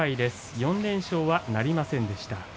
４連勝はなりませんでした。